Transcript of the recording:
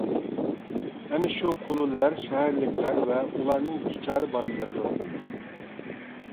ئەنە شۇ قۇلۇلىلەر شەھەرلىكلەر ۋە ئۇلارنىڭ بىچارە بالىلىرىدۇر.